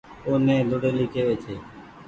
اوني ۮوڙيلي ڪيوي ڇي